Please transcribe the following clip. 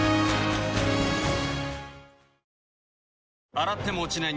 洗っても落ちない